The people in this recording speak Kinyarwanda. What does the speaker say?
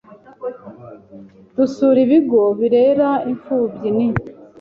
Dusura ibigo birera imfubyi n